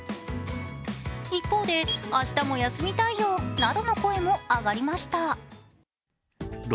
一方で、明日も休みたいよなどの声も上がりました。